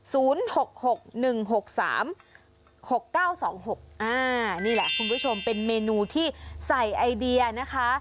หกหกหนึ่งหกสามหกเก้าสองหกอ่านี่แหละคุณผู้ชมเป็นเมนูที่ใส่ไอเดียนะคะ